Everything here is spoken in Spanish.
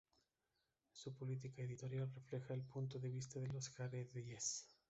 Su política editorial refleja el punto de vista de los jaredíes.